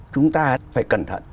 chúng ta phải cẩn thận